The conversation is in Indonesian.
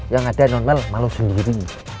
ya ga deh non mel malu sendiri